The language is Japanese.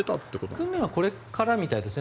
訓練はこれからみたいですね。